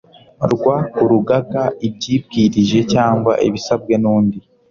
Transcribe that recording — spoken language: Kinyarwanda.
rw urugaga ibyibwirije cyangwa ibisabwe n undi